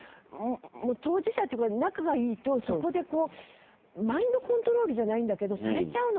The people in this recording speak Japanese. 当事者っていうか仲がいいとそこでこうマインドコントロールじゃないんだけどされちゃうのかな。